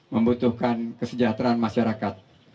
membutuhkan kesejahteraan masyarakat